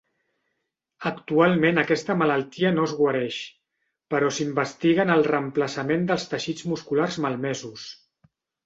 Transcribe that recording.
Actualment aquesta malaltia no es guareix, però s'investiga en el reemplaçament dels teixits musculars malmesos.